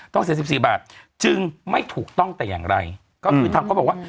เสีย๑๔บาทจึงไม่ถูกต้องแต่อย่างไรก็คือทำเขาบอกว่า